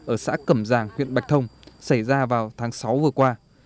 ở xã cẩm giàng huyện bạch thông xảy ra vào tháng sáu vừa qua